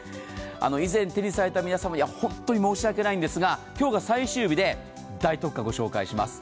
以前、手にされた皆様には本当に申し訳ないんですが今日が最終日で大特価をご紹介します。